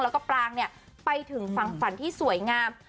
แล้วก็ปรางเนี่ยไปถึงฝั่งฝันที่สวยงาม